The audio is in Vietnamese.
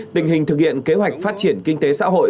tình hình thực hiện kế hoạch phát triển kinh tế xã hội